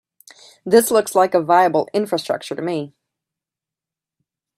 This looks like a viable infrastructure to me.